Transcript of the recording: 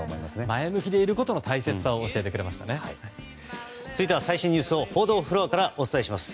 前向きでいることの大切さを続いては最新ニュースを報道フロアからお伝えします。